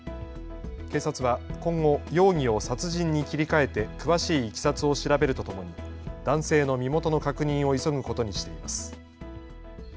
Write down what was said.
警察は今後、容疑を殺人に切り替えて詳しいいきさつを調べるとともに男性の身元の確認を急ぐことにしています。